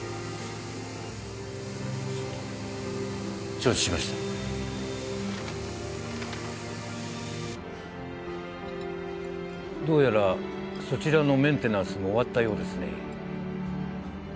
承知しましたどうやらそちらのメンテナンスも終わったようですね